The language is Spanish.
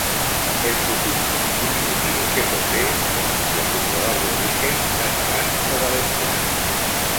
El sufijo diminutivo que posee denuncia su probable origen catalán o valenciano.